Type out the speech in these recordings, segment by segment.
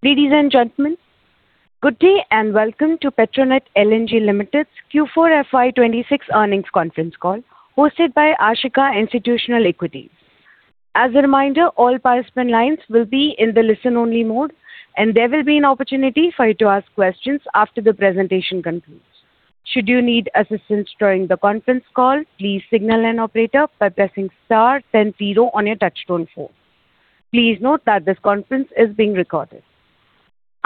Ladies and gentlemen, good day and welcome to Petronet LNG Limited's Q4 FY 2026 earnings conference call hosted by Ashika Institutional Equities. As a reminder, all participant lines will be in the listen-only mode, and there will be an opportunity for you to ask questions after the presentation concludes. Should you need assistance during the conference call, please signal an operator by pressing star 10 zero on your touchtone phone. Please note that this conference is being recorded.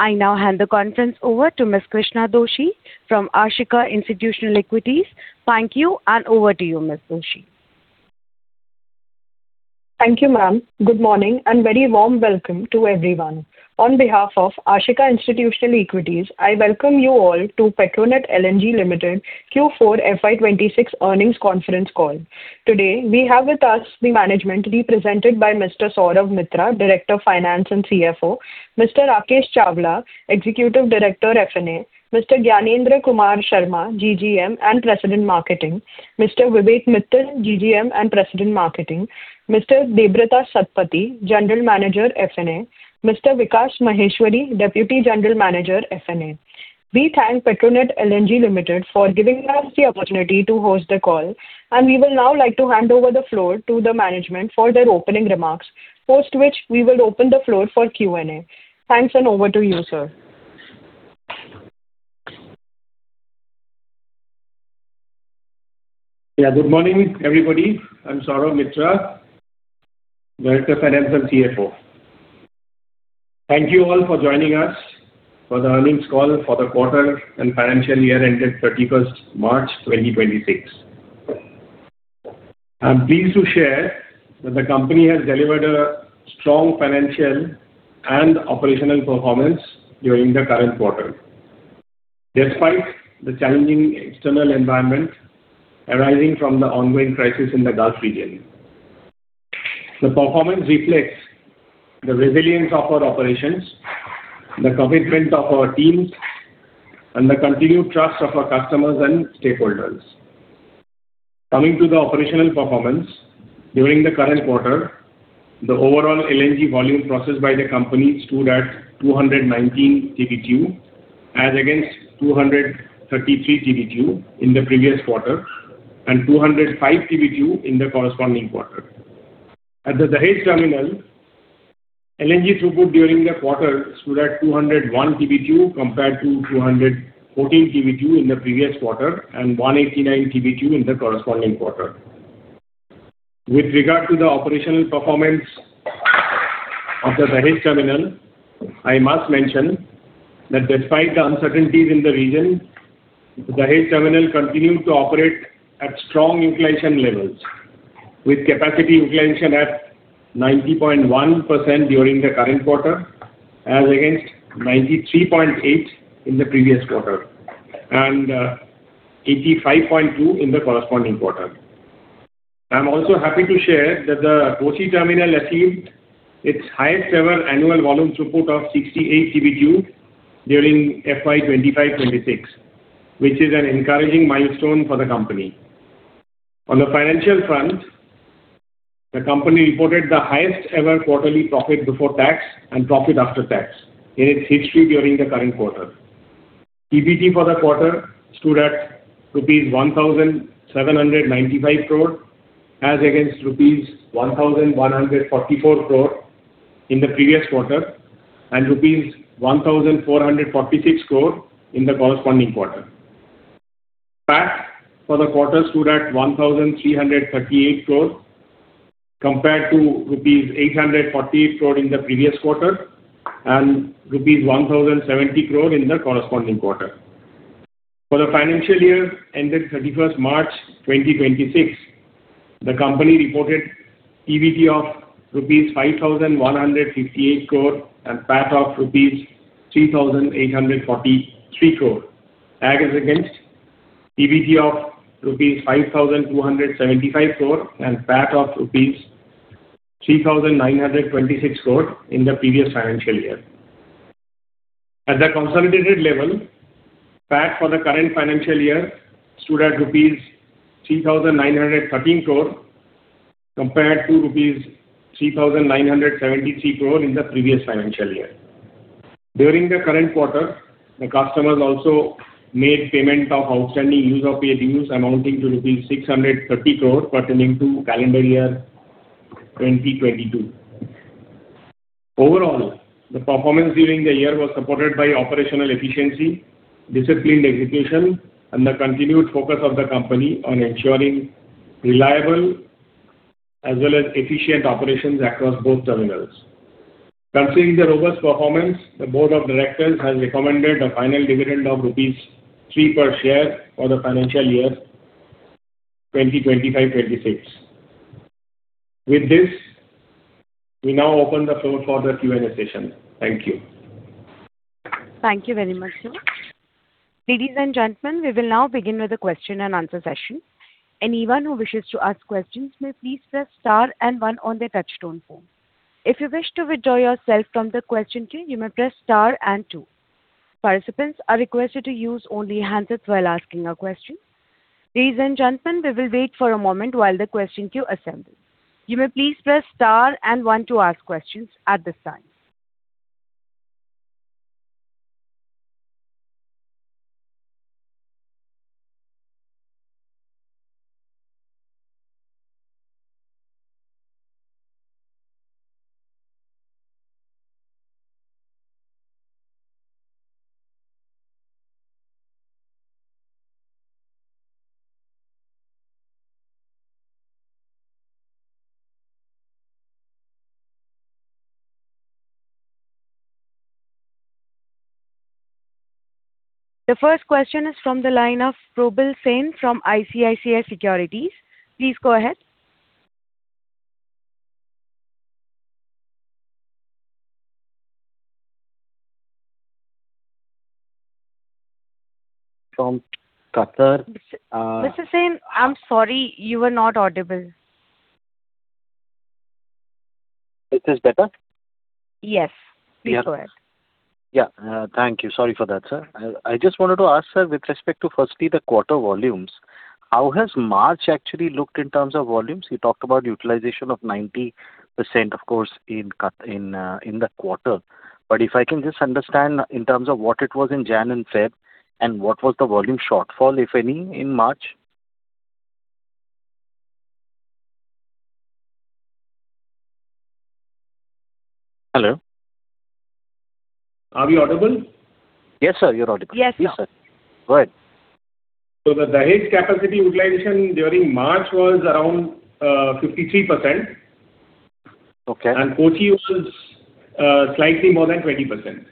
I now hand the conference over to Ms. Krishna Doshi from Ashika Institutional Equities. Thank you, over to you, Ms. Doshi. Thank you, ma'am. Good morning, and very warm welcome to everyone. On behalf of Ashika Institutional Equities, I welcome you all to Petronet LNG Limited Q4 FY 2026 earnings conference call. Today, we have with us the management represented by Mr. Saurav Mitra, Director of Finance and CFO, Mr. Rakesh Chawla, Executive Director, F&A, Mr. Gyanendra Kumar Sharma, GGM and President, Marketing, Mr. Vivek Mittal, GGM and President, Marketing, Mr. Debabrata Satpathy, General Manager, F&A, Mr. Vikash Maheshwari, Deputy General Manager, F&A. We thank Petronet LNG Limited for giving us the opportunity to host the call, and we will now like to hand over the floor to the management for their opening remarks, post which we will open the floor for Q&A. Thanks, and over to you, sir. Yeah, good morning, everybody. I'm Saurav Mitra, Director, Finance and CFO. Thank you all for joining us for the earnings call for the quarter and financial year ended 31st March 2026. I'm pleased to share that the company has delivered a strong financial and operational performance during the current quarter, despite the challenging external environment arising from the ongoing crisis in the Gulf region. The performance reflects the resilience of our operations, the commitment of our teams, and the continued trust of our customers and stakeholders. Coming to the operational performance, during the current quarter, the overall LNG volume processed by the company stood at 219 TBTU as against 233 TBTU in the previous quarter and 205 TBTU in the corresponding quarter. At the Dahej terminal, LNG throughput during the quarter stood at 201 TBTU compared to 214 TBTU in the previous quarter and 189 TBTU in the corresponding quarter. With regard to the operational performance of the Dahej terminal, I must mention that despite the uncertainties in the region, Dahej terminal continued to operate at strong utilization levels with capacity utilization at 90.1% during the current quarter as against 93.8% in the previous quarter and 85.2% in the corresponding quarter. I'm also happy to share that the Kochi terminal achieved its highest ever annual volume throughput of 68 TBTU during FY 2025, 2026, which is an encouraging milestone for the company. On the financial front, the company reported the highest ever quarterly profit before tax and profit after tax in its history during the current quarter. PBT for the quarter stood at rupees 1,795 crore as against rupees 1,144 crore in the previous quarter and rupees 1,446 crore in the corresponding quarter. PAT for the quarter stood at 1,338 crore compared to rupees 848 crore in the previous quarter and rupees 1,070 crore in the corresponding quarter. For the financial year ended thirty-first March 2026, the company reported PBT of rupees 5,158 crore and PAT of rupees 3,843 crore as against PBT of rupees 5,275 crore and PAT of rupees 3,926 crore in the previous financial year. At the consolidated level, PAT for the current financial year stood at rupees 3,913 crore compared to rupees 3,973 crore in the previous financial year. During the current quarter, the customers also made payment of outstanding use of paid dues amounting to rupees 630 crore pertaining to calendar year 2022. Overall, the performance during the year was supported by operational efficiency, disciplined execution, and the continued focus of the company on ensuring reliable as well as efficient operations across both terminals. Considering the robust performance, the board of directors has recommended a final dividend of rupees 3 per share for the financial year 2025-2026. With this, we now open the floor for the Q&A session. Thank you. Thank you very much, sir. Ladies and gentlemen, we will now begin with the question and answer session. Anyone who wishes to ask questions may please press star and one on their touchtone phone. If you wish to withdraw yourself from the question queue, you may press star and two. Participants are requested to use only handsets while asking a question. Ladies and gentlemen, we will wait for a moment while the question queue assembles. You may please press star and one to ask questions at this time. The first question is from the line of Probal Sen from ICICI Securities. Please go ahead. From Qatar, Mr. Sen, I'm sorry, you are not audible. Is this better? Yes. Yeah. Please go ahead. Thank you. Sorry for that, sir. I just wanted to ask, sir, with respect to firstly the quarter volumes, how has March actually looked in terms of volumes? You talked about utilization of 90%, of course, in the quarter. If I can just understand in terms of what it was in January and February, and what was the volume shortfall, if any, in March? Hello? Are we audible? Yes, sir. You're audible. Yes, sir. Yes, sir. Go ahead. The Dahej capacity utilization during March was around 53%. Okay. Kochi was, slightly more than 20%.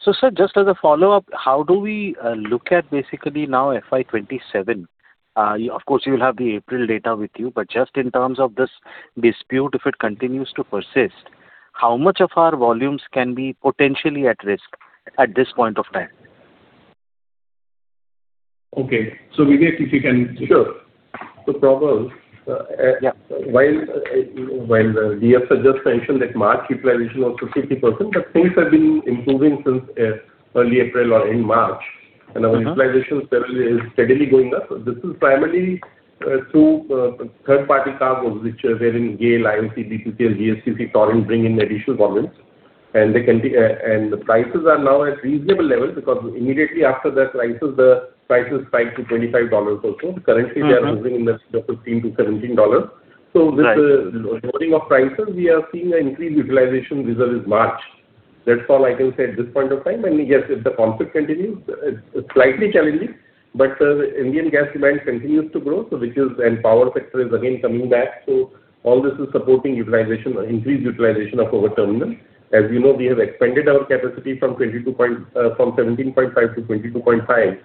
Sir, just as a follow-up, how do we look at basically now FY 2027? Of course, you will have the April data with you, but just in terms of this dispute, if it continues to persist, how much of our volumes can be potentially at risk at this point of time? Okay. Vivek if you can. Sure, so Probal. Yeah... while DF has just mentioned that March utilization was 50%, but things have been improving since early April or in March. Mm-hmm. Our utilization is steadily going up. This is primarily through third party cargos which are wherein GAIL, IOCL, BPCL, GSPC, Torrent bring in additional volumes, and they can be. The prices are now at reasonable levels because immediately after the crisis the prices spiked to $25 also. Mm-hmm. Currently, they are moving in the sort of $15-$17. Right. With the lowering of prices, we are seeing an increased utilization vis-à-vis March. That's all I can say at this point of time. Yes, if the conflict continues, it's slightly challenging. Indian gas demand continues to grow. Power sector is again coming back. All this is supporting utilization or increased utilization of our terminals. As you know, we have expanded our capacity from 17.5 to 22.5.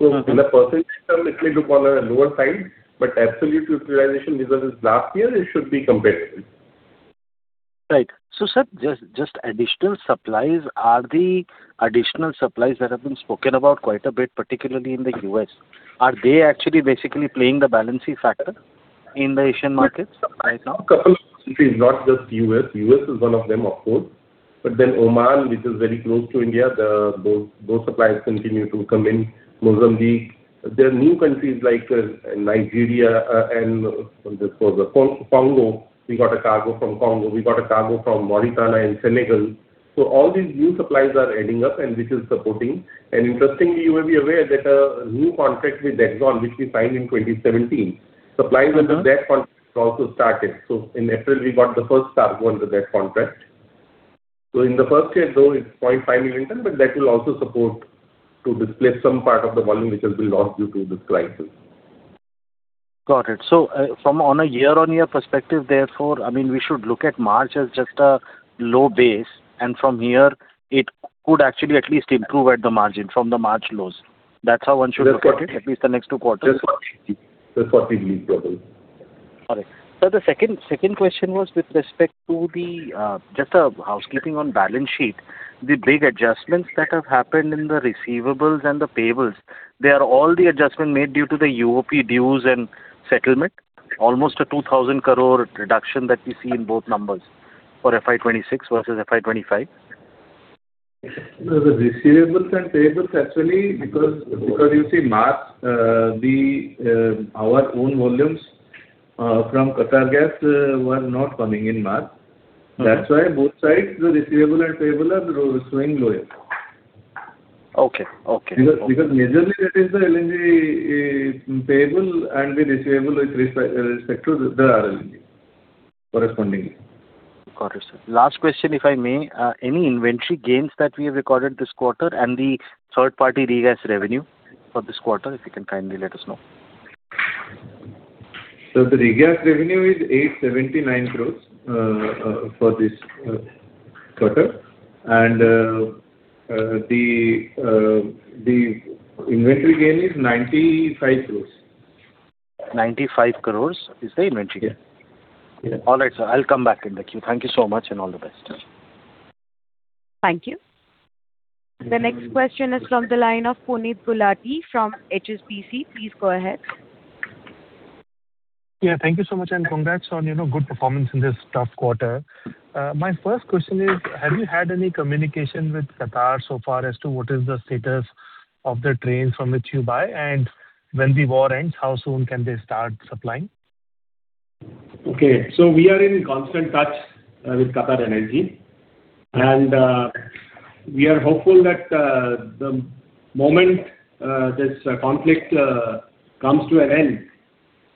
Mm-hmm. In a percentage term it may look on a lower side, but absolute utilization vis-à-vis last year, it should be competitive. Right. sir, just additional supplies, are the additional supplies that have been spoken about quite a bit, particularly in the U.S., are they actually basically playing the balancing factor in the Asian markets right now? Couple of countries, not just U.S. U.S. is one of them, of course. Oman, which is very close to India, those suppliers continue to come in. Mozambique. There are new countries like Nigeria, and what is called Congo. We got a cargo from Congo. We got a cargo from Mauritania and Senegal. All these new supplies are adding up, and which is supporting. Interestingly, you will be aware that a new contract with ExxonMobil, which we signed in 2017. Mm-hmm Supplies under that contract has also started. In April, we got the first cargo under that contract. In the first year, though it's quite minimal, but that will also support to displace some part of the volume which has been lost due to this crisis. Got it. From on a year-on-year perspective therefore, I mean, we should look at March as just a low base, and from here it could actually at least improve at the margin from the March lows. That's how one should look at it. That's correct. at least the next two quarters. That's what we believe, Probal. All right. Sir, the second question was with respect to the just a housekeeping on balance sheet. The big adjustments that have happened in the receivables and the payables, they are all the adjustment made due to the UOP dues and settlement? Almost a 2,000 crore reduction that we see in both numbers for FY 2026 versus FY 2025. The receivables and payables actually, because you see March, our own volumes from QatarEnergy LNG were not coming in March. Mm-hmm. That's why both sides, the receivable and payable are showing lower. Okay. Okay. Okay. Because majorly that is the LNG payable and the receivable with respect to the RLNG correspondingly. Got it, sir. Last question, if I may. Any inventory gains that we have recorded this quarter and the third party regas revenue for this quarter, if you can kindly let us know? The regas revenue is 879 crores for this quarter. The inventory gain is 95 crores. 95 crores is the inventory gain. Yeah. Yeah. All right, sir. I'll come back in the queue. Thank you so much and all the best. Thank you. The next question is from the line of Puneet Gulati from HSBC. Please go ahead. Yeah, thank you so much, and congrats on, you know, good performance in this tough quarter. My first question is, have you had any communication with Qatar so far as to what is the status of the trains from which you buy? When the war ends, how soon can they start supplying? Okay. We are in constant touch with QatarEnergy. We are hopeful that the moment this conflict comes to an end,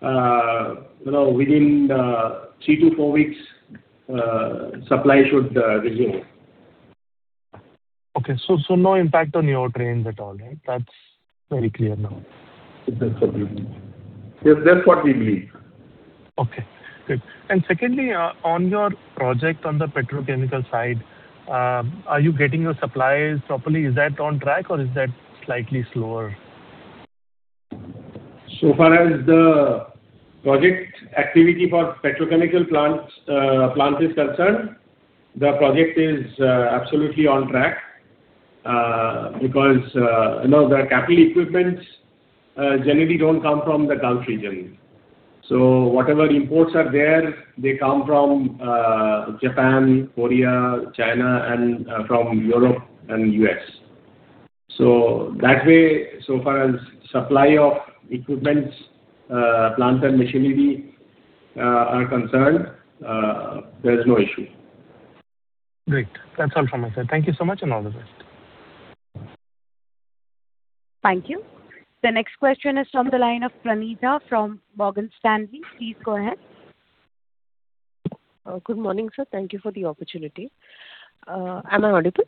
you know, within three to four weeks, supply should resume. Okay. No impact on your trains at all, right? That's very clear now. If that's what you mean. Yes, that's what we believe. Okay, good. Secondly, on your project on the petrochemical side, are you getting your supplies properly? Is that on track or is that slightly slower? Far as the project activity for petrochemical plant is concerned, the project is absolutely on track. Because, you know, the capital equipments generally don't come from the Gulf region. Whatever imports are there, they come from Japan, Korea, China, and from Europe and U.S. That way, so far as supply of equipments, plant and machinery are concerned, there is no issue. Great. That's all from my side. Thank you so much, and all the best. Thank you. The next question is from the line of Pranita from Morgan Stanley. Please go ahead. Good morning, sir. Thank you for the opportunity. Am I audible?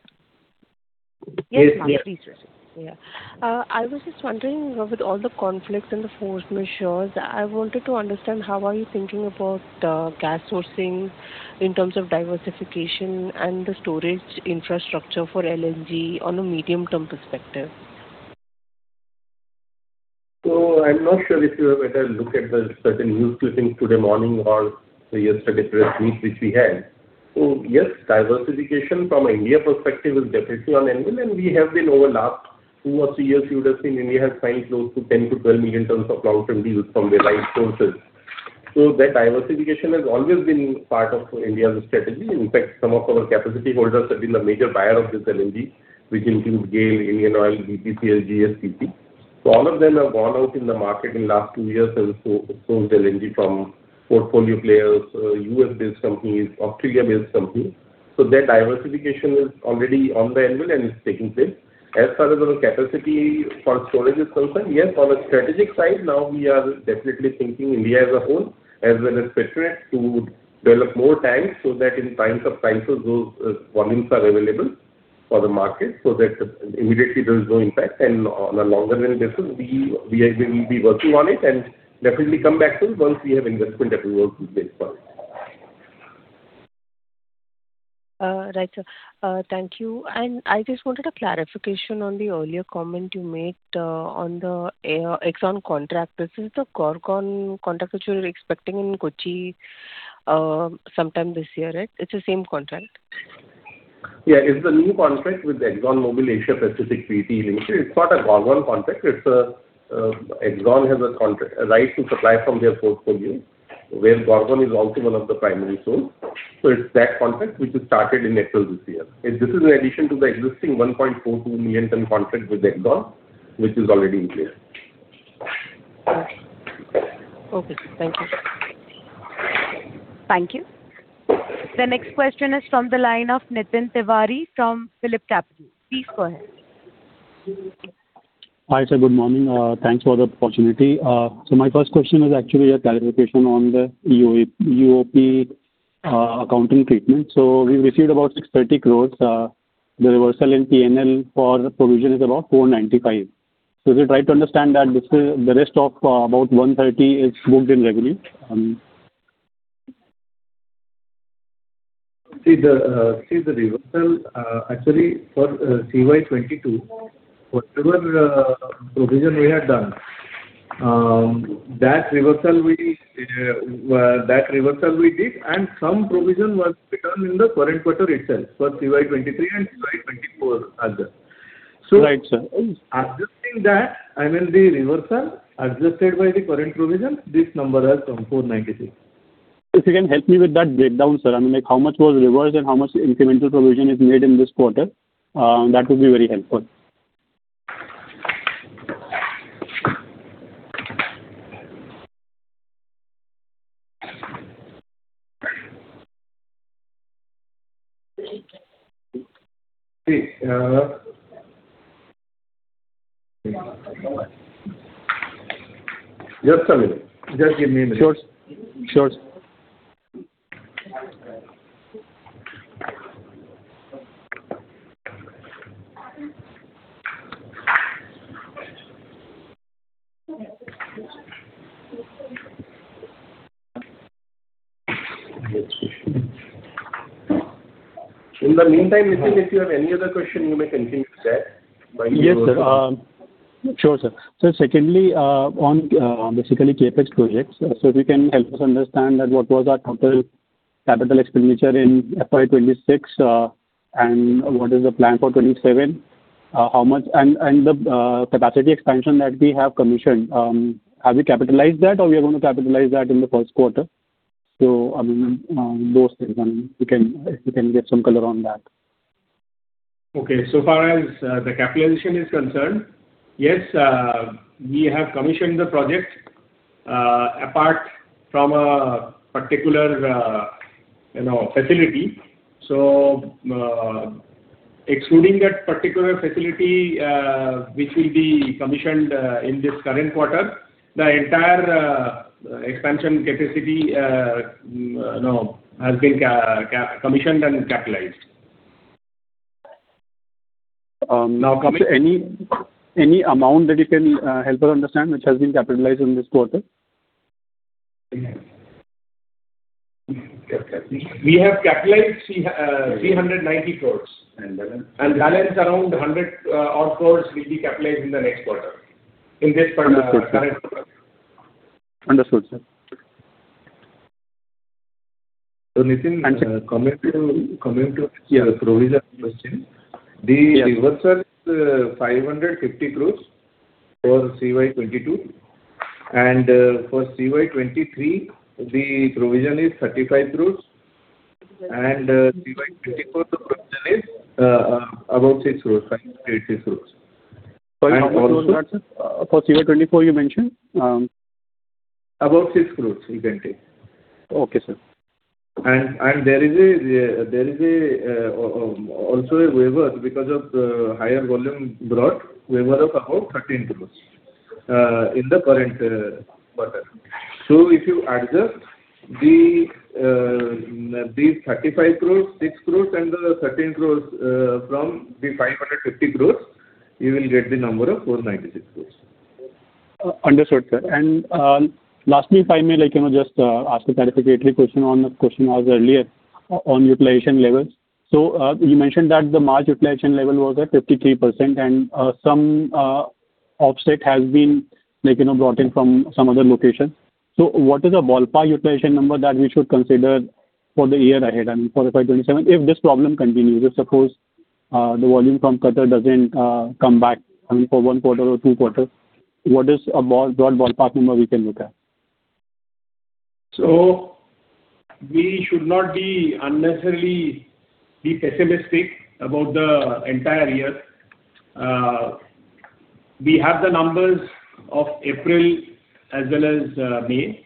Yes. Yes, ma'am. Please proceed. Yeah. I was just wondering, with all the conflicts and the force majeure, I wanted to understand how are you thinking about gas sourcing in terms of diversification and the storage infrastructure for LNG on a medium-term perspective. I'm not sure if you have had a look at the certain news clippings today morning or yesterday press meet which we had. Yes, diversification from India perspective is definitely on anvil, and we have been over last two or three years, you would have seen India has signed close to 10-12 million tons of long-term deals from the allied sources. That diversification has always been part of India's strategy. In fact, some of our capacity holders have been the major buyer of this LNG, which includes GAIL, Indian Oil, BPCL, GSPC. All of them have gone out in the market in last two years and sourced LNG from portfolio players, US-based companies, Australia-based companies. That diversification is already on the anvil and is taking place. As far as our capacity for storage is concerned, yes, on a strategic side now we are definitely thinking India as a whole, as well as Petronet, to develop more tanks so that in times of crisis those volumes are available for the market, so that immediately there is no impact. On a longer-term basis, we will be working on it and definitely come back to you once we have investment approval in place for it. Right, sir. Thank you. I just wanted a clarification on the earlier comment you made, on the ExxonMobil contract. This is the Gorgon contract which you are expecting in Kochi, sometime this year, right? It's the same contract? Yeah, it's the new contract with the ExxonMobil Asia Pacific Pte. Ltd. It's not a Gorgon contract. It's a ExxonMobil has a contract, a right to supply from their portfolio, where Gorgon is also one of the primary source. It's that contract which is started in April this year. This is in addition to the existing 1.42 million ton contract with ExxonMobil, which is already in place. Okay. Thank you. Thank you. The next question is from the line of Nitin Tiwari from PhillipCapital. Please go ahead. Hi, sir. Good morning. Thanks for the opportunity. My first question is actually a clarification on the ESOP accounting treatment. We received about 630 crore. The reversal in P&L for provision is about 495. We try to understand that this is the rest of, about 130 is booked in revenue. See the, see the reversal, actually for CY 2022, whatever provision we had done, that reversal we did, and some provision was written in the current quarter itself for CY 2023 and CY 2024 as well. Right, sir. Adjusting that and then the reversal adjusted by the current provision, this number has come, 496. If you can help me with that breakdown, sir. I mean, like how much was reversed and how much incremental provision is made in this quarter, that would be very helpful. See, Just a minute. Just give me a minute. Sure, sir. Sure, sir. In the meantime, Nitin, if you have any other question, you may continue to ask while we go through. Yes, sir. Sure, sir. Secondly, on, basically CapEx projects, if you can help us understand that what was our total capital expenditure in FY 2026, and what is the plan for 2027? The capacity expansion that we have commissioned, have you capitalized that or we are going to capitalize that in the first quarter? I mean, those things and if you can give some color on that. So far as the capitalization is concerned, yes, we have commissioned the project apart from a particular, you know, facility. Excluding that particular facility, which will be commissioned in this current quarter, the entire expansion capacity, you know, has been commissioned and capitalized. Coming to any amount that you can help us understand which has been capitalized in this quarter? We have capitalized 390 crores. Balance? Balance around 100 odd crores will be capitalized in the next quarter, in this current quarter. Understood, sir. Nitin. And, uh- Coming to. Yeah provision question. Yeah. The reverse is 550 crores for CY 2022. For CY 2023, the provision is 35 crores. CY 2024 the provision is about 6 crores, 5.86 crores. Sorry, how much was that, sir? For CY 2024 you mentioned? About 6 crores you can take. Okay, sir. There is a also a waiver because of higher volume brought, waiver of about 13 crores in the current quarter. If you adjust the the 35 crores, 6 crores, and the 13 crores from the 550 crores, you will get the number of 496 crores. understood, sir. lastly, if I may, like, you know, just ask a clarificatory question on the question I asked earlier on utilization levels. you mentioned that the March utilization level was at 53% and some offset has been, like, you know, brought in from some other location. What is a ballpark utilization number that we should consider for the year ahead and for FY 2027 if this problem continues? If suppose the volume from Qatar doesn't come back, I mean, for 1 quarter or 2 quarters, what is a broad ballpark number we can look at? We should not be unnecessarily be pessimistic about the entire year. We have the numbers of April as well as, May.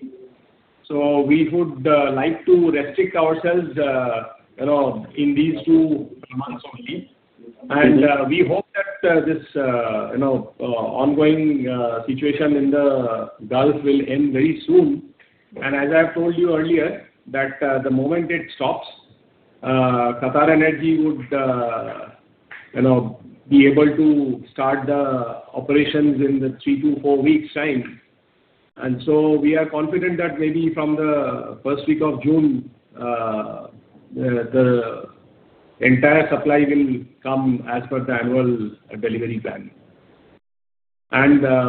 We would like to restrict ourselves, you know, in these two months only. Mm-hmm. We hope that this, you know, ongoing situation in the Gulf will end very soon. As I have told you earlier that the moment it stops, QatarEnergy would, you know, be able to start the operations in the 3 to 4 weeks time. We are confident that maybe from the first week of June, the entire supply will come as per the annual delivery plan.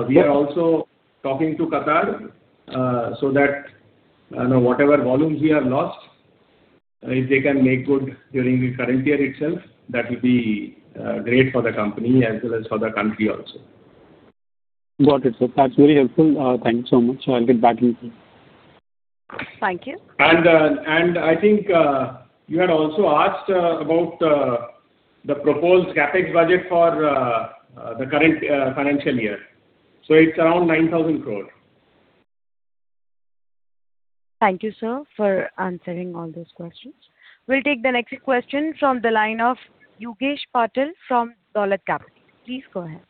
We are also talking to Qatar so that whatever volumes we have lost, if they can make good during the current year itself, that will be great for the company as well as for the country also. Got it, sir. That's very helpful. Thank you so much. I'll get back with you. Thank you. I think, you had also asked, about, the proposed CapEx budget for, the current, financial year. It's around 9,000 crores. Thank you, sir, for answering all those questions. We'll take the next question from the line of Yogesh Patil from Dolat Capital. Please go ahead.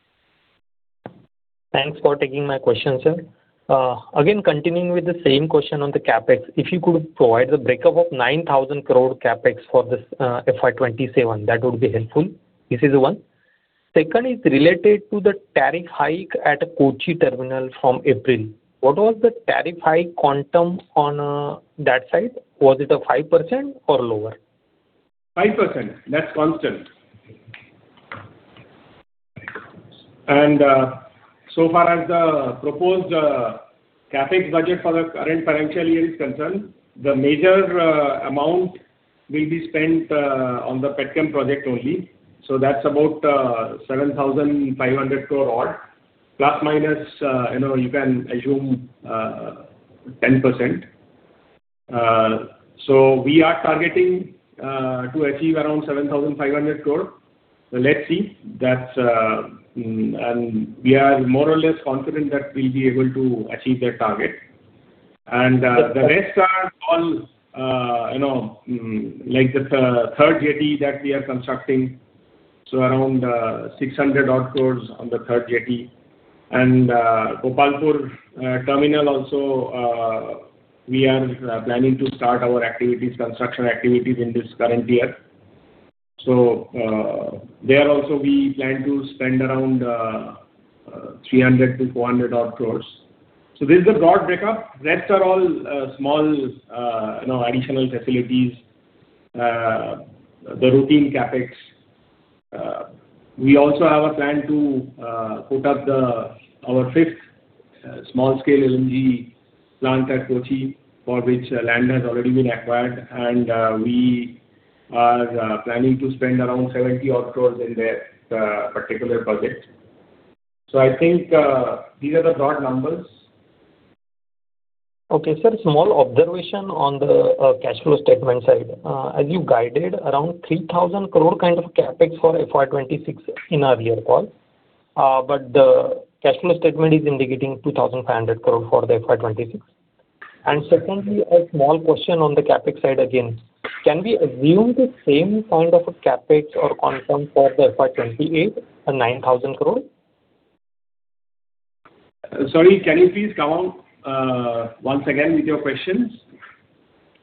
Thanks for taking my question, sir. again, continuing with the same question on the CapEx. If you could provide the breakup of 9,000 crore CapEx for this FY 2027, that would be helpful. This is one. Second is related to the tariff hike at Kochi terminal from April. What was the tariff hike quantum on that side? Was it a 5% or lower? 5%. That's constant. So far as the proposed CapEx budget for the current financial year is concerned, the major amount will be spent on the Petchem project only. That's about 7,500 crore odd, plus minus, you know, you can assume 10%. We are targeting to achieve around 7,500 crore. Let's see. That's. We are more or less confident that we'll be able to achieve that target. The rest are all, you know, like the third jetty that we are constructing, around 600 odd crores on the third jetty. Gopalpur terminal also, we are planning to start our activities, construction activities in this current year. There also we plan to spend around 300-400 odd crores. This is the broad breakup. Rest are all small, you know, additional facilities, the routine CapEx. We also have a plan to put up our 5th small-scale LNG plant at Kochi, for which land has already been acquired, and we are planning to spend around 70 odd crores in that particular project. I think these are the broad numbers. Okay, sir. Small observation on the cash flow statement side. As you guided around 3,000 crore kind of CapEx for FY 2026 in our year call. The cash flow statement is indicating 2,500 crore for the FY 2026. Secondly, a small question on the CapEx side again. Can we assume the same kind of a CapEx or confirm for the FY 2028, INR 9,000 crore? Sorry, can you please come on, once again with your questions?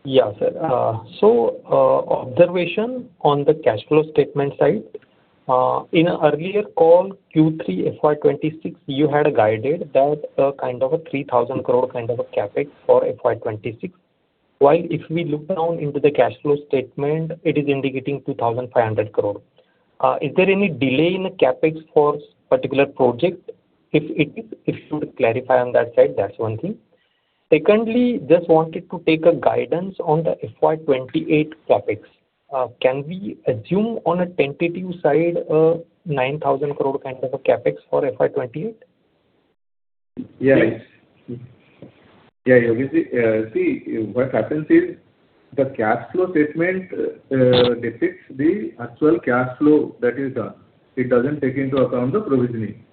Yeah, sir. Observation on the cash flow statement side. In earlier call Q3 FY 2026, you had guided that kind of a 3,000 crore kind of a CapEx for FY 2026. If we look down into the cash flow statement, it is indicating 2,500 crore. Is there any delay in the CapEx for particular project? If it is, if you could clarify on that side, that's one thing. Just wanted to take a guidance on the FY 2028 CapEx. We assume on a tentative side, 9,000 crore kind of a CapEx for FY 2028? Yeah. Yeah, you see. See, what happens is the cash flow statement depicts the actual cash flow that is done. It doesn't take into account the provisioning.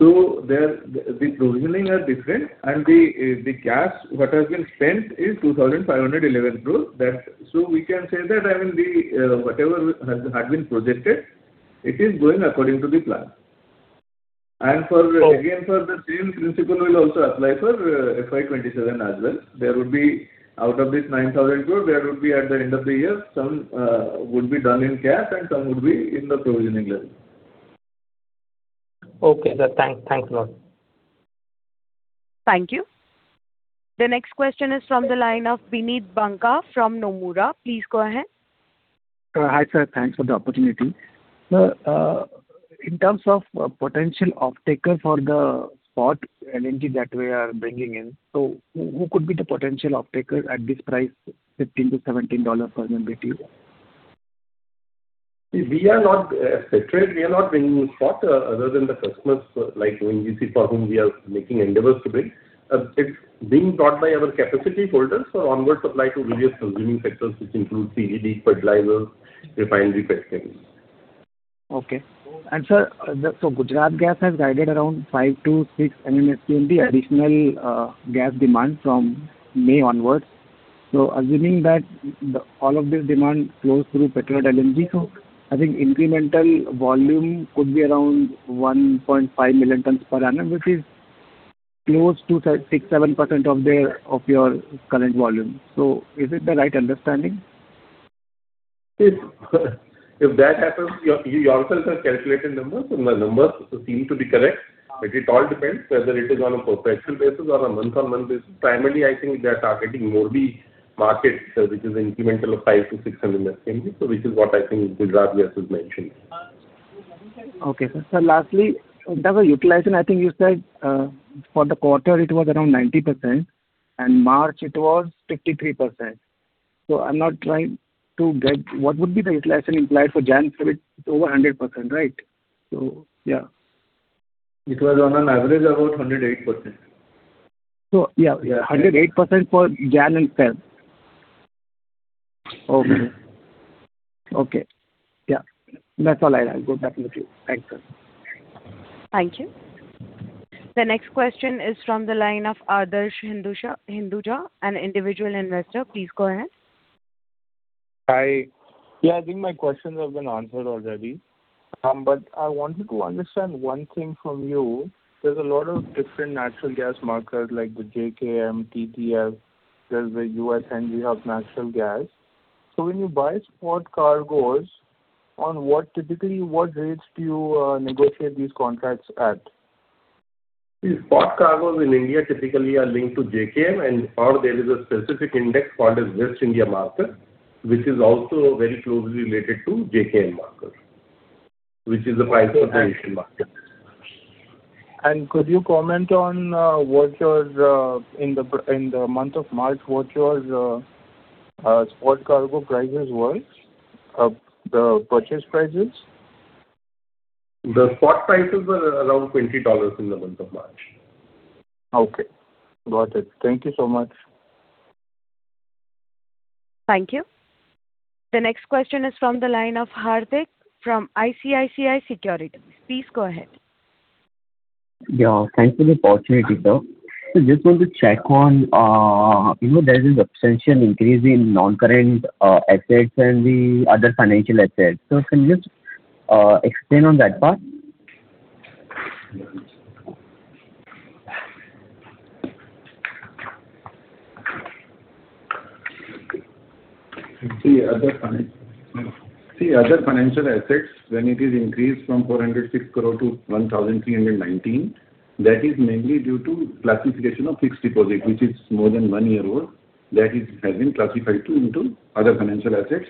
There, the provisioning are different, and the cash, what has been spent is 2,511 crore. We can say that, I mean, the whatever has, had been projected, it is going according to the plan. Okay. Again, for the same principle will also apply for FY 2027 as well. There would be out of this 9,000 crore, there would be at the end of the year, some, would be done in cash, and some would be in the provisioning level. Okay, sir. Thanks a lot. Thank you. The next question is from the line of Bineet Banka from Nomura. Please go ahead. Hi, sir. Thanks for the opportunity. Sir, in terms of potential offtaker for the spot LNG that we are bringing in, who could be the potential offtaker at this price, $15-$17 per MMBtu? We are not, Petrade, we are not bringing spot, other than the customers like ONGC, for whom we are making endeavors to bring. It's being brought by our capacity holders for onward supply to various consuming sectors, which include CGD, fertilizers, refinery petchem. Okay. Sir, Gujarat Gas has guided around 5-6 MMSCMD additional gas demand from May onwards. Assuming that all of this demand flows through Petronet LNG, I think incremental volume could be around 1.5 million tons per annum, which is close to 6%-7% of their, of your current volume. Is it the right understanding? If that happens, you also have calculated numbers, and the numbers seem to be correct. It all depends whether it is on a perpetual basis or a month-on-month basis. Primarily, I think they are targeting more the markets, which is incremental of 5 to 6 MMSCMD. Which is what I think Gujarat Gas has mentioned. Okay, sir. Sir, lastly, in terms of utilization, I think you said, for the quarter it was around 90%, and March it was 53%. I'm now trying to get what would be the utilization implied for January, February, it's over 100%, right? Yeah. It was on an average about 108%. Yeah. 108% for January and February. Okay. Yeah. That's all I had. Good afternoon to you. Thanks, sir. Thank you. The next question is from the line of Adarsh Hinduja, an individual investor. Please go ahead. Hi. Yeah, I think my questions have been answered already. I wanted to understand one thing from you. There's a lot of different natural gas markers like the JKM, TTF. There's the U.S. Henry Hub natural gas. When you buy spot cargos, on what typically what rates do you negotiate these contracts at? The spot cargoes in India typically are linked to JKM and, or there is a specific index called as West India Market, which is also very closely related to JKM market, which is the price of the Indian market. Could you comment on what your, in the month of March, what your spot cargo prices were, the purchase prices? The spot prices were around $20 in the month of March. Okay. Got it. Thank you so much. Thank you. The next question is from the line of Hardik from ICICI Securities. Please go ahead. Yeah. Thanks for the opportunity, sir. Just want to check on, you know, there is a substantial increase in non-current assets and the other financial assets. Can you explain on that part? See other financial assets, when it is increased from 406 crore to 1,319 crore, that is mainly due to classification of fixed deposit, which is more than one year old. That is, has been classified into other financial assets.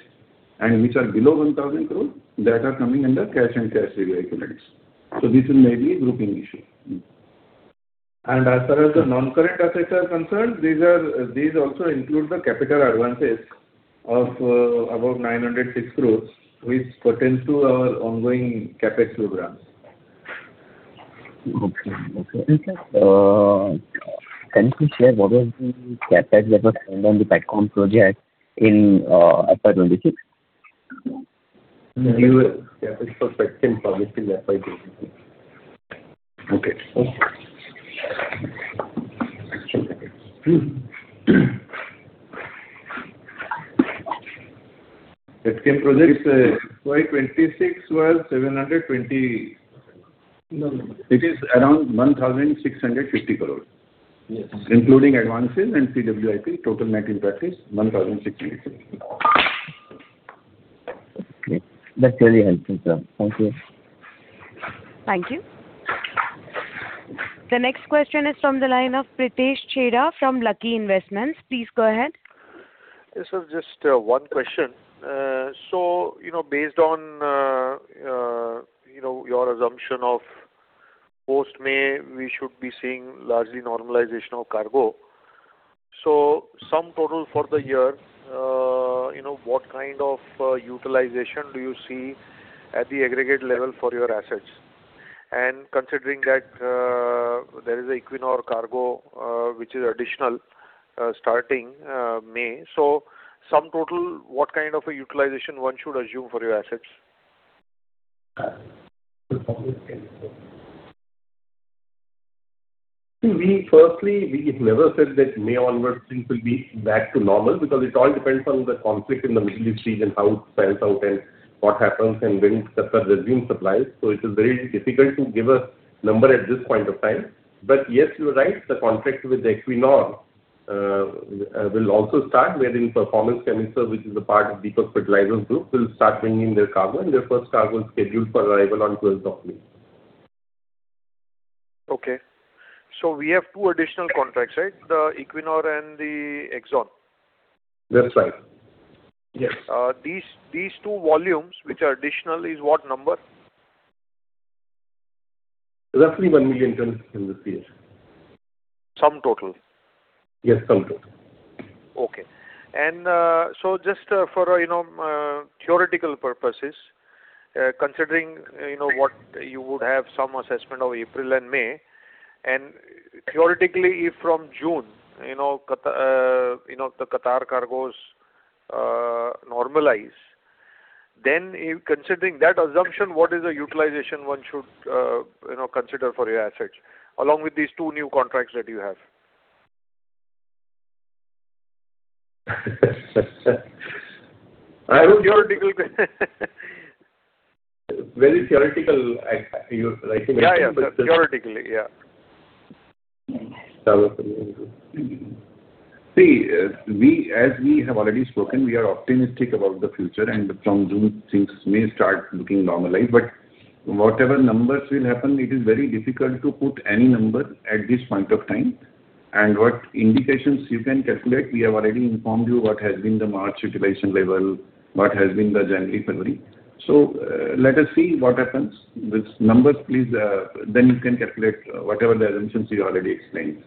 Which are below 1,000 crore that are coming under cash and cash equivalents. This is maybe a grouping issue. As far as the non-current assets are concerned, these also include the capital advances of above 906 crore, which pertains to our ongoing CapEx programs. Okay. Okay. Can you please share what was the CapEx that was spent on the Petchem project in FY 2026? New CapEx for Petchem project in FY 2026. Okay. Petchem projects, FY 2026 was 720. No, no. It is around 1,650 crore. Yes. Including advances and CWIP, total net impact is 1,650 crore. Okay. That's really helpful, sir. Thank you. Thank you. The next question is from the line of Pritesh Chheda from Lucky Investments. Please go ahead. Yes, sir. Just one question. You know, based on, you know, your assumption of post-May we should be seeing largely normalization of cargo. Sum total for the year, you know, what kind of utilization do you see at the aggregate level for your assets? Considering that there is a Equinor cargo, which is additional, starting May. Sum total, what kind of a utilization one should assume for your assets? See, we firstly, we never said that May onwards things will be back to normal because it all depends on the conflict in the Middle East region, how it pans out and what happens and when Qatar resumes supplies. It is very difficult to give a number at this point of time. Yes, you're right, the contract with Equinor will also start wherein Performance Chemiserve, which is a part of Deepak Fertilisers group, will start bringing their cargo, and their first cargo is scheduled for arrival on twelfth of May. Okay. We have two additional contracts, right? The Equinor and the ExxonMobil. That's right. Yes. These two volumes which are additional is what number? Roughly 1 million tons in this year. Sum total? Yes, sum total. Okay. So just for, you know, theoretical purposes, considering, you know, what you would have some assessment of April and May, and theoretically if from June, you know, the Qatar cargos normalize, then considering that assumption, what is the utilization one should, you know, consider for your assets, along with these two new contracts that you have? I hope theoretical. Very theoretical. Yeah, yeah. Theoretically, yeah. As we have already spoken, we are optimistic about the future and from June things may start looking normalized. Whatever numbers will happen, it is very difficult to put any number at this point of time. What indications you can calculate, we have already informed you what has been the March utilization level, what has been the January, February. Let us see what happens with numbers. Please, then you can calculate whatever the assumptions we already explained.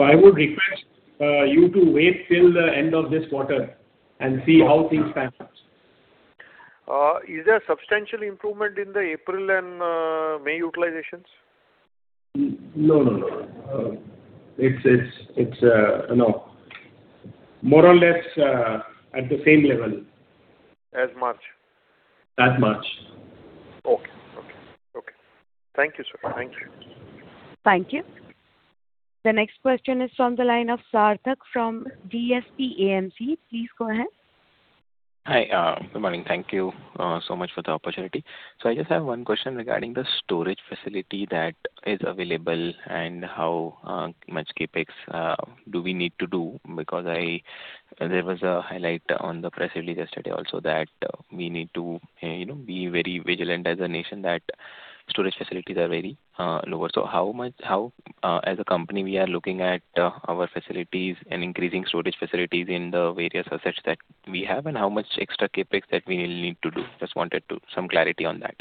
I would request you to wait till the end of this quarter and see how things pan out. Is there substantial improvement in the April and May utilizations? No, no, no. It's no. More or less at the same level. As March? As March. Okay. Okay. Okay. Thank you, sir. Thanks. Thank you. The next question is from the line of Sarthak from DSP AMC. Please go ahead. Hi. Good morning. Thank you so much for the opportunity. I just have one question regarding the storage facility that is available and how much CapEx do we need to do because there was a highlight on the press release yesterday also that we need to, you know, be very vigilant as a nation that storage facilities are very lower. How much, how, as a company we are looking at our facilities and increasing storage facilities in the various assets that we have, and how much extra CapEx that we will need to do? Just wanted some clarity on that.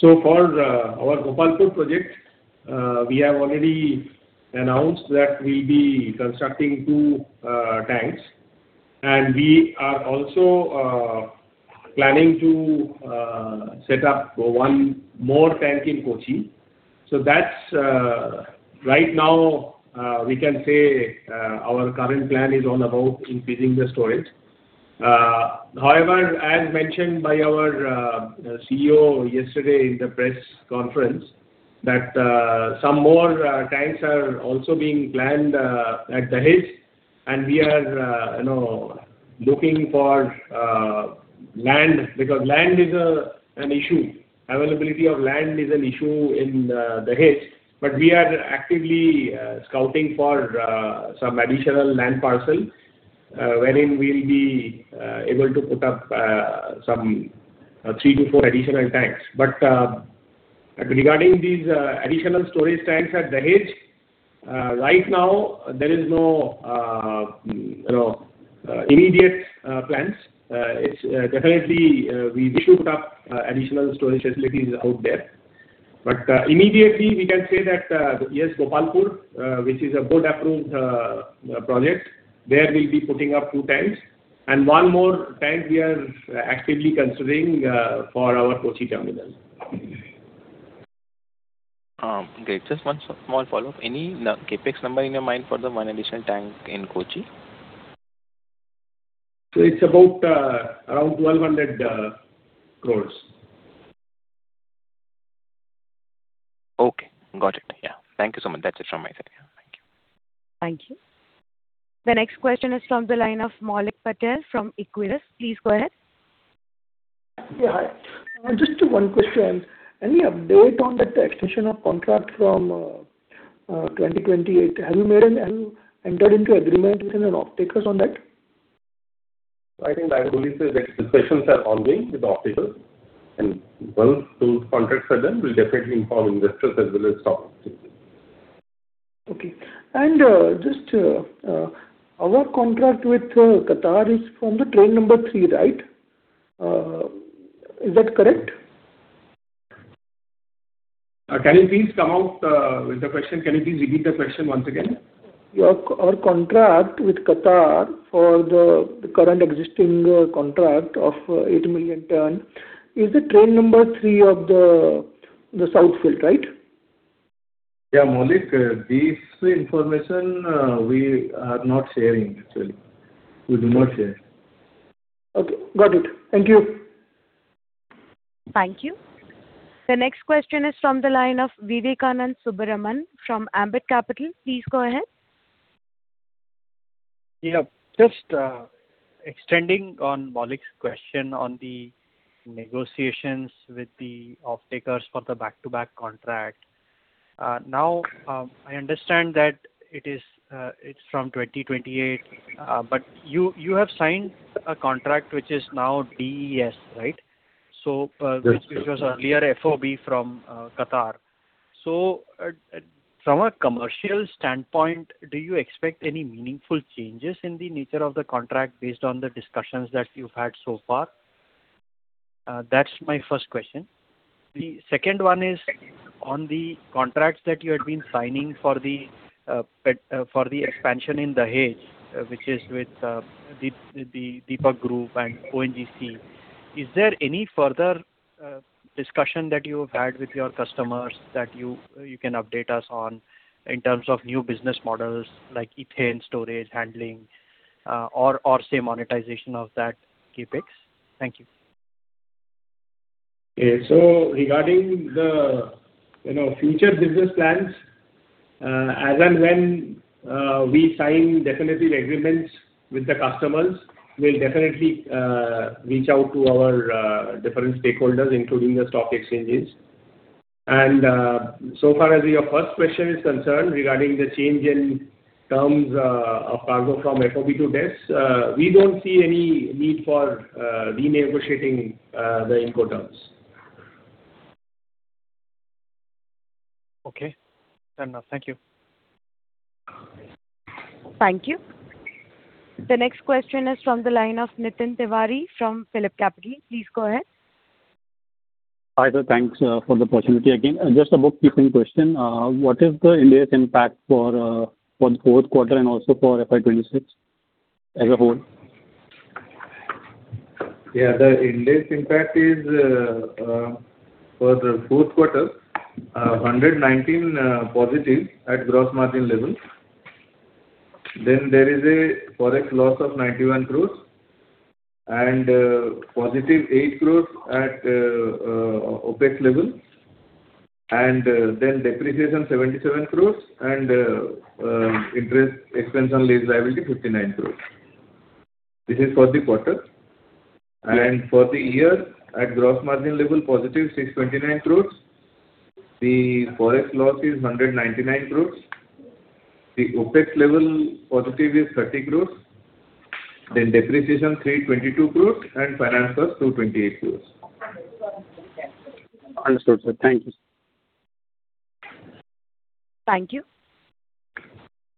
For our Gopalpur project, we have already announced that we'll be constructing two tanks, and we are also planning to set up one more tank in Kochi. That's right now, we can say, our current plan is on about increasing the storage. As mentioned by our CEO yesterday in the press conference that some more tanks are also being planned at Dahej, and we are, you know, looking for land because land is an issue. Availability of land is an issue in Dahej. We are actively scouting for some additional land parcel wherein we'll be able to put up some 3-4 additional tanks. Regarding these, additional storage tanks at Dahej, right now there is no immediate plans. It's, definitely, we should put up, additional storage facilities out there. Immediately we can say that, yes, Gopalpur, which is a board-approved, project, there we'll be putting up two tanks. One more tank we are actively considering, for our Kochi terminal. Okay, just 1 small follow-up. Any CapEx number in your mind for the one additional tank in Kochi? It's about around INR 1,200 crores. Okay. Got it. Yeah. Thank you so much. That's it from my side. Yeah. Thank you. Thank you. The next question is from the line of Maulik Patel from Equirus. Please go ahead. Yeah, hi. Just one question. Any update on the extension of contract from 2028? Have you entered into agreement with any offtakers on that? I think I would only say that discussions are ongoing with offtakers, and once those contracts are done, we'll definitely inform investors as well as stock exchanges. Okay. Just, our contract with Qatar is from the train number three, right? Is that correct? Can you please come out with the question? Can you please repeat the question once again? Our contract with Qatar for the current existing contract of 8 million ton, is it train number three of the South Field, right? Yeah, Maulik, this information, we are not sharing actually. We do not share. Okay. Got it. Thank you. Thank you. The next question is from the line of Vivekanand Subbaraman from Ambit Capital. Please go ahead. Yeah. Just extending on Maulik's question on the negotiations with the offtakers for the back-to-back contract. Now, I understand that it is, it's from 2028, but you have signed a contract which is now DES, right? Yes. Which was earlier FOB from Qatar. From a commercial standpoint, do you expect any meaningful changes in the nature of the contract based on the discussions that you've had so far? That's my first question. The second one is on the contracts that you had been signing for the expansion in Dahej, which is with the Deepak Group and ONGC. Is there any further discussion that you have had with your customers that you can update us on in terms of new business models like ethane storage handling, or say monetization of that CapEx? Thank you. Yeah. So regarding the, you know, future business plans, as and when we sign definitive agreements with the customers, we'll definitely reach out to our different stakeholders, including the stock exchanges. So far as your first question is concerned, regarding the change in terms of cargo from FOB to DES, we don't see any need for renegotiating the Incoterms. Okay. Fair enough. Thank you. Thank you. The next question is from the line of Nitin Tiwari from PhillipCapital. Please go ahead. Hi there. Thanks, for the opportunity again. Just a bookkeeping question. What is the index impact for the fourth quarter and also for FY 2026 as a whole? Yeah. The index impact is for the fourth quarter, 119 positive at gross margin levels. There is a Forex loss of 91 crores and positive 8 crores at OPEX levels, and depreciation 77 crores and interest expense on lease liability 59 crores. This is for the quarter. Okay. For the year, at gross margin level, positive 629 crores. The Forex loss is 199 crores. The OpEx level positive is 30 crores. Depreciation 322 crores and finance cost 228 crores. Understood, sir. Thank you. Thank you.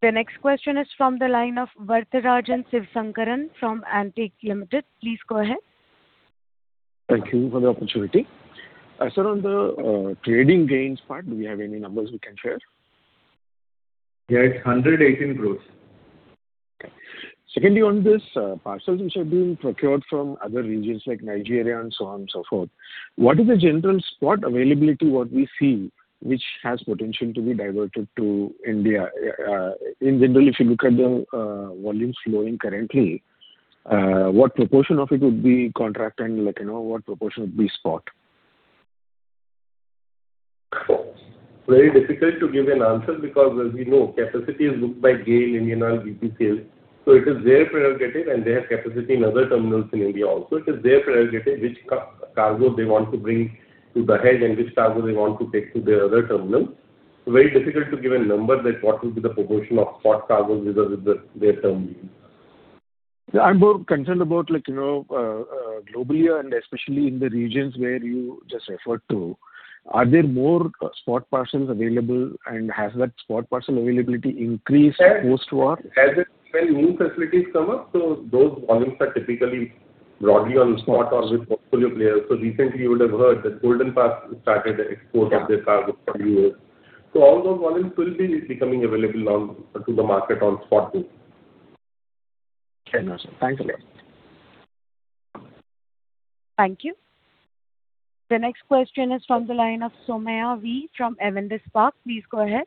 The next question is from the line of Varatharajan Sivasankaran from Antique Stock Broking Limited. Please go ahead. Thank you for the opportunity. Sir, on the trading gains part, do we have any numbers we can share? Yeah. It's 118 crores. Okay. Secondly, on this, parcels which are being procured from other regions like Nigeria and so on and so forth, what is the general spot availability what we see which has potential to be diverted to India? In general, if you look at the volumes flowing currently, what proportion of it would be contract and like, you know, what proportion would be spot? Very difficult to give an answer because as we know capacity is booked by GAIL, Indian Oil, BPCL. It is their prerogative and they have capacity in other terminals in India also. It is their prerogative which cargo they want to bring to Dahej and which cargo they want to take to their other terminals. Very difficult to give a number that what will be the proportion of spot cargoes with the, their terminals. Yeah, I'm more concerned about, like, you know, globally and especially in the regions where you just referred to. Are there more spot parcels available, and has that spot parcel availability increased post-war? As and when new facilities come up, those volumes are typically broadly on spot or with portfolio players. Recently you would have heard that Golden Pass started export of their cargo for U.S. All those volumes will be becoming available to the market on spot basis. Okay. No, sir. Thanks a lot. Thank you. The next question is from the line of Somaiah Valliyappan from Avendus Spark. Please go ahead.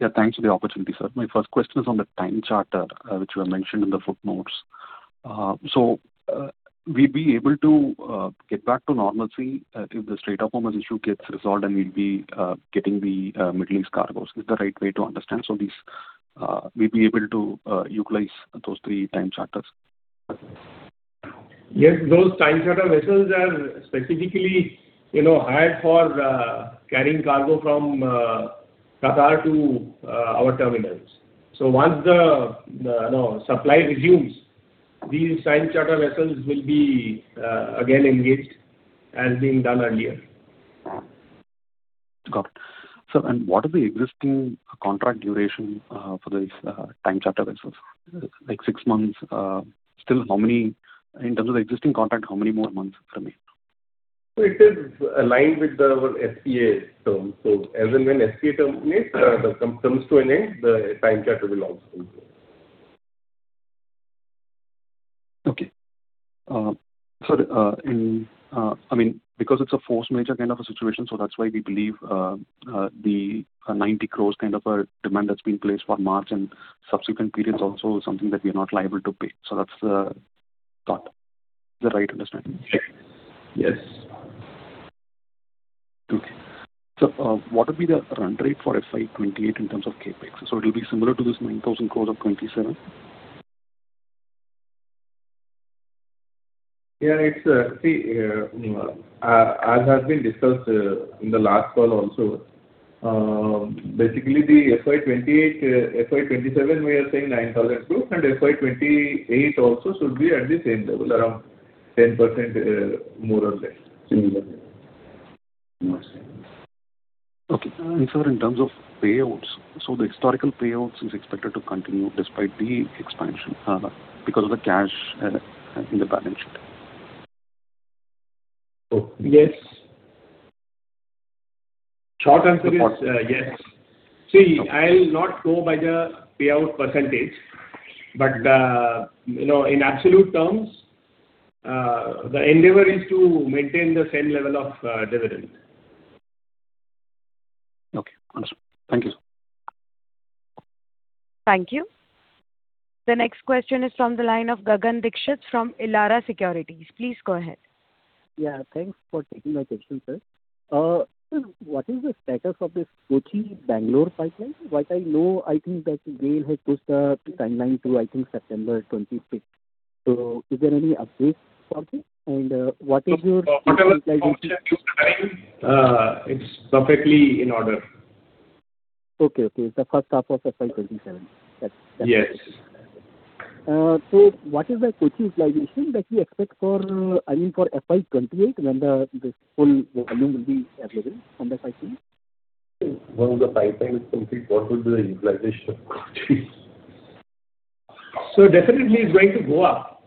Yeah, thanks for the opportunity, sir. My first question is on the time charter, which you have mentioned in the footnotes. We'd be able to get back to normalcy if the Strait of Hormuz issue gets resolved and we'll be getting the Middle East cargoes. Is this the right way to understand? These, we'd be able to utilize those 3x charters. Yes, those time charter vessels are specifically, you know, hired for carrying cargo from Qatar to our terminals. Once the, you know, supply resumes, these time charter vessels will be again engaged as being done earlier. Got it. Sir, what are the existing contract duration for these time charter vessels? Like six months? In terms of the existing contract, how many more months remain? It is aligned with the, our SPA terms. As and when SPA term ends, comes to an end, the time charter will also end. Okay. sir, in, I mean, because it's a force majeure kind of a situation, that's why we believe, the, 90 crores kind of a demand that's been placed for March and subsequent periods also is something that we are not liable to pay. That's the thought. Is that right understanding? Yes. Yes. Okay. What would be the run rate for FY 2028 in terms of CapEx? It'll be similar to this 9,000 crore of FY 2027? Yeah, it's, see, as has been discussed in the last call also, basically the FY 2028, FY 2027 we are saying 9,000 crores, and FY 2028 also should be at the same level, around 10%, more or less. Mm-hmm. Okay. Sir, in terms of payouts, the historical payouts is expected to continue despite the expansion, because of the cash in the balance sheet. Oh, yes. Short answer is, yes. See, I'll not go by the payout percentage, but, you know, in absolute terms, the endeavor is to maintain the same level of dividend. Okay. Understood. Thank you. Thank you. The next question is from the line of Gagan Dixit from Elara Securities. Please go ahead. Yeah, thanks for taking my question, sir. Sir, what is the status of this Kochi Bangalore pipeline? What I know, I think that Gail had pushed the timeline to, I think, September 26. Is there any update for it? What is your- Whatever function is running, it's perfectly in order. Okay. Okay. The first half of FY 2027. That's. Yes. What is the Kochi utilization that we expect for FY 2028 when the full volume will be available on the pipeline? When the pipeline is complete, what will be the utilization of Kochi? Sir, definitely it's going to go up.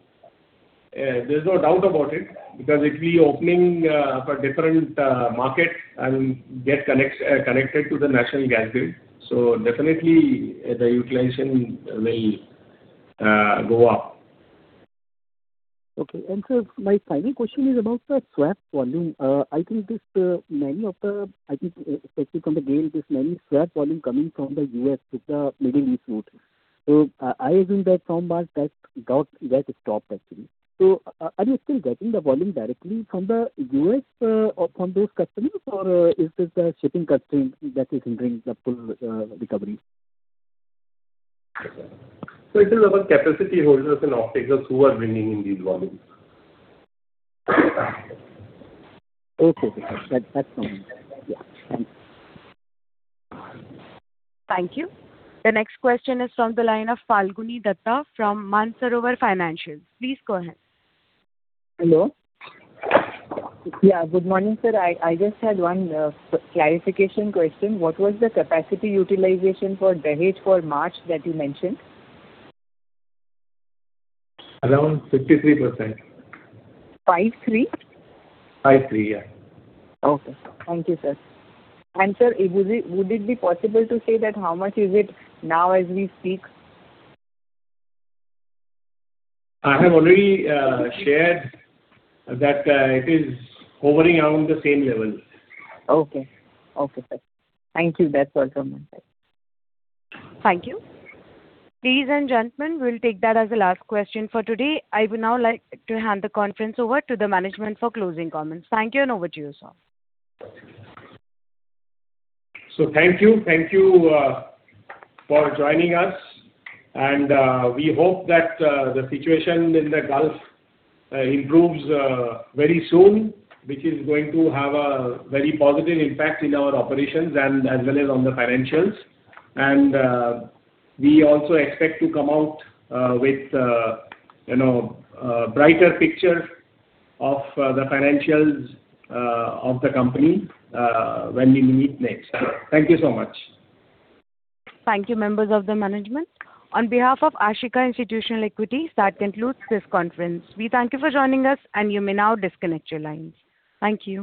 There's no doubt about it because it'll be opening for different market and get connected to the national gas grid. Definitely the utilization will go up. Okay. Sir, my final question is about the swap volume. I think many of the, especially from GAIL, this many swap volume coming from the U.S. with the Middle East route. I assume that from that got stopped actually. Are you still getting the volume directly from the U.S. or from those customers or is this a shipping constraint that is hindering the full recovery? It is our capacity holders and offtakers who are bringing in these volumes. Okay. Okay. That's all. Yeah. Thank you. Thank you. The next question is from the line of Falguni Dutta from Mansarovar Financial. Please go ahead. Hello. Yeah, good morning, sir. I just had one clarification question. What was the capacity utilization for Dahej for March that you mentioned? Around 53%. 5 3? 5 3, yeah. Okay. Thank you, sir. Sir, would it be possible to say that how much is it now as we speak? I have already shared that it is hovering around the same level. Okay. Okay, sir. Thank you. That's all from my side. Thank you. Ladies and gentlemen, we will take that as the last question for today. I would now like to hand the conference over to the management for closing comments. Thank you and over to you, sir. Thank you. Thank you, for joining us. We hope that, the situation in the Gulf, improves, very soon, which is going to have a very positive impact in our operations and, as well as on the financials. We also expect to come out, with, you know, a brighter picture of, the financials, of the company, when we meet next. Thank you so much. Thank you, members of the management. On behalf of Ashika Institutional Equities, that concludes this conference. We thank you for joining us, and you may now disconnect your lines. Thank you.